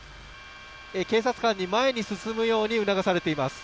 警察官に前に進むように促されています。